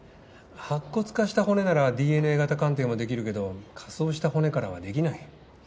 白骨化した骨ならＤＮＡ型鑑定もできるけど火葬した骨からはできない。